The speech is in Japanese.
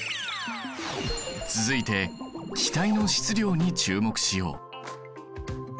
続いて気体の質量に注目しよう。